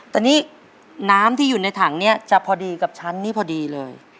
แต่นี่น้ำที่อยู่ในถังเนี่ยจะพอดีกับชั้นนี้พอดีเลย